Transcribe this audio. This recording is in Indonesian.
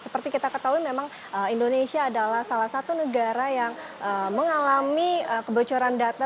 seperti kita ketahui memang indonesia adalah salah satu negara yang mengalami kebocoran data